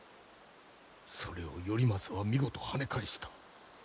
それを頼政は見事はね返した。